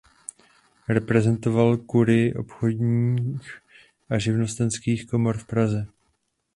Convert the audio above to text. Reprezentoval kurii obchodních a živnostenských komor v Praze.